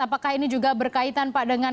apakah ini juga berkaitan pak dengan